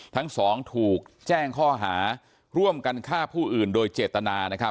ทั้งสองถูกแจ้งข้อหาร่วมกันฆ่าผู้อื่นโดยเจตนานะครับ